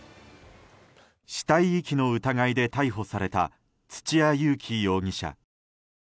死体遺棄の疑いで逮捕された土屋勇貴容疑者。